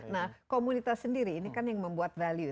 nah komunitas sendiri ini kan yang membuat value